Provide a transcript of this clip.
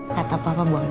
kata papa boleh